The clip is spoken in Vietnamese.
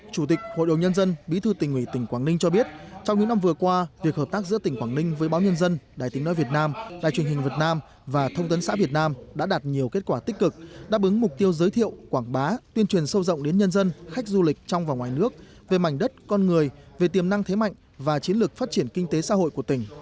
chủ tịch hội đồng nhân dân bí thư tỉnh ủy tỉnh quảng ninh cho biết trong những năm vừa qua việc hợp tác giữa tỉnh quảng ninh với báo nhân dân đài tiếng nói việt nam đài truyền hình việt nam và thông tân xã việt nam đã đạt nhiều kết quả tích cực đáp ứng mục tiêu giới thiệu quảng bá tuyên truyền sâu rộng đến nhân dân khách du lịch trong và ngoài nước về mảnh đất con người về tiềm năng thế mạnh và chiến lược phát triển kinh tế xã hội của tỉnh